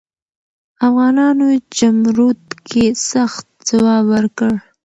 افغانانو جمرود کې سخت ځواب ورکړ.